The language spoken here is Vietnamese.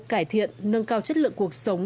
cải thiện nâng cao chất lượng cuộc sống